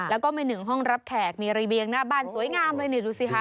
แล้วก็มีหนึ่งห้องรับแขกมีระเบียงหน้าบ้านสวยงามเลยนี่ดูสิคะ